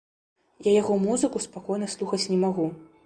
Я яго музыку спакойна слухаць не магу.